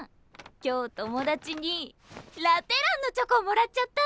今日友達にラ・テランのチョコもらっちゃった！